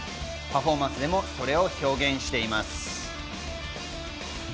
パフォーマンスでもそれを表現しています。